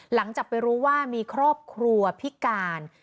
หลังจากไปรู้ว่ามีครอบครัวพิการ